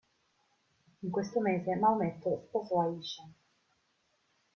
In questo mese Maometto sposò Aisha.